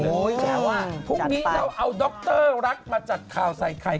วันนี้เราเอาดรรับมาจัดข่าวใส่ไข่ด้วย